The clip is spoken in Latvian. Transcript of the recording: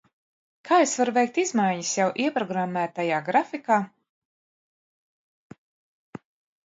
Kā es varu veikt izmaiņas jau ieprogrammētajā grafikā?